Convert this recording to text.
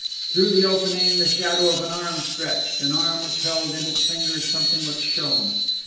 Through the opening the shadow of an arm stretched, an arm which held in its fingers something which shone.